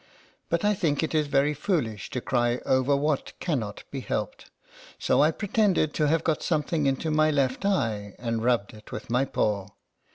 But I think it is very foolish to cry over what cannot be helped, so I pretend ed to have got something into my left eye, and rubbed it with my paw.